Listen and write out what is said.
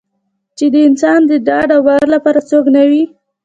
چې د انسان د ډاډ او باور لپاره څوک نه وي.